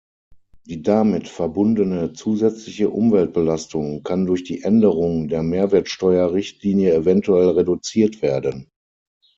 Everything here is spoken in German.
Die damit verbundene zusätzliche Umweltbelastung kann durch die Änderung der Mehrwertsteuer-Richtlinie eventuell reduziert werden.